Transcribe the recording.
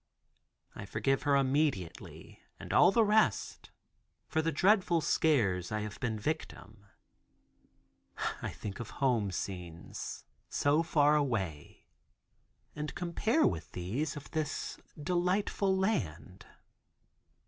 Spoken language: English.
I forgive her immediately and all the rest for the dreadful scares I have been victim. I think of home scenes, so far away, and compare with these of this delightful land.